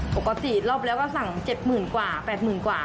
ปกติรอบแล้วก็สั่ง๗หมื่นกว่า๘หมื่นกว่า